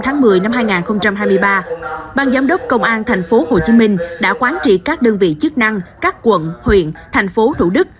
từ ngày một mươi năm tháng một mươi năm hai nghìn hai mươi ba ban giám đốc công an tp hcm đã quán trị các đơn vị chức năng các quận huyện thành phố thủ đức